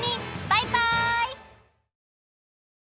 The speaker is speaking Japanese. バイバイ！